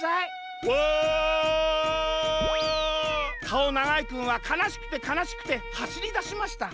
かおながいくんはかなしくてかなしくてはしりだしました。